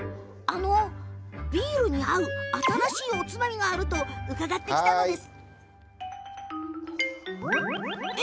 ビールに合う新しいおつまみがあると伺ったんですが。